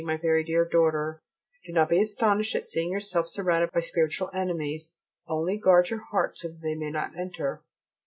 MY VERY DEAR DAUGHTER, Do not be astonished at seeing yourself surrounded by spiritual enemies; only guard your heart so that they may not enter.